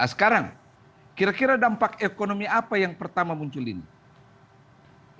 sekarang kira kira dampak ekonomi apa yang pertama muncul ini